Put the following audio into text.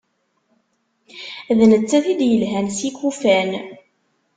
D nettat i d-yelhan s yikufan.